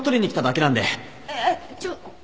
えっえっちょっ